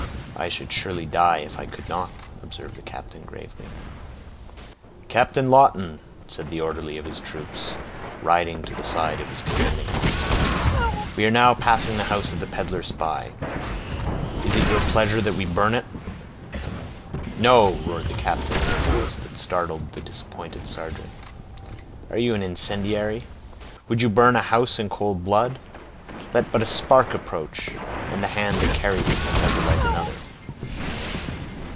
"I should surely die if I could not," observed the captain, gravely. "Captain Lawton," said the orderly of his troop, riding to the side of his commanding officer, "we are now passing the house of the peddler spy; is it your pleasure that we burn it?" "No!" roared the captain, in a voice that startled the disappointed sergeant. "Are you an incendiary? Would you burn a house in cold blood? Let but a spark approach, and the hand that carries it will never light another."